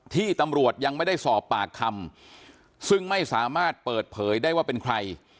ที่ตำรวจยังไม่ได้สอบปากคำซึ่งไม่สามารถเปิดเผยได้ว่าเป็นใคร